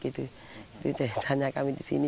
itu tanya kami di sini